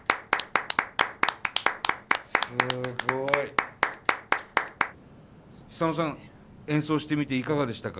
すごい。ヒサノさん演奏してみていかがでしたか？